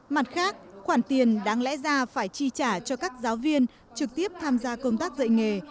mặt khác khoản tiền đáng lẽ ra phải chi trả cho các giáo viên trực tiếp tham gia công tác dạy nghề